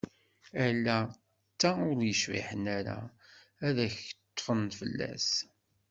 Ala d ta ur yecbiḥen ara, ad ak-ṭfen fell-as.